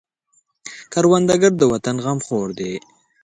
کروندګر د وطن غمخور دی